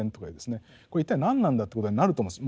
これ一体何なんだってことになると思うんです。